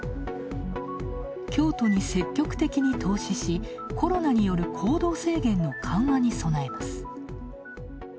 京都に積極的に投資し、コロナによる行動制限の緩和に備えます。